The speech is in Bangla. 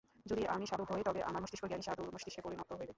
যদি আমি সাধু হই, তবে আমার মস্তিষ্ক জ্ঞানী সাধুর মস্তিষ্কে পরিণত হইবে।